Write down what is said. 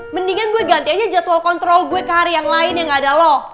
mendingan gue ganti aja jadwal kontrol gue ke hari yang lain yang gak ada loh